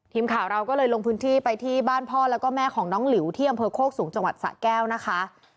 ทีมข่าวเราก็เลยลงพื้นที่ไปที่บ้านพ่อแล้วก็แม่ของน้องหลิวที่อำเภอโคกสูงจังหวัดสะแก้วนะคะ